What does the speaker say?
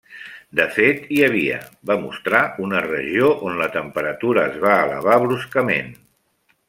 De fet, hi havia, va mostrar, una regió on la temperatura es va elevar bruscament.